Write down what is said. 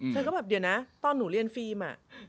ฉันก็แบบเดี๋ยวนะตอนนี้อ่ะ